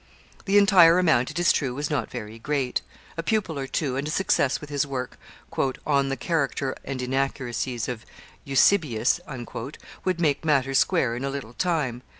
The entire amount it is true was not very great. A pupil or two, and a success with his work 'On the Character and Inaccuracies of Eusebius,' would make matters square in a little time.